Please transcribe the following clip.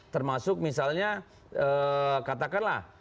termasuk misalnya katakanlah